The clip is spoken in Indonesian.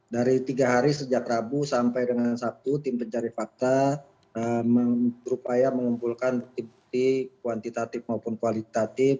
dari tiga hari sejak rabu sampai dengan sabtu tim pencari fakta berupaya mengumpulkan bukti bukti kuantitatif maupun kualitatif